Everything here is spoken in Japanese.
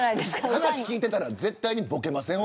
話、聞いてたら絶対ぼけませんわ。